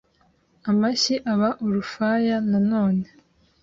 amashyi aba urufaya nanone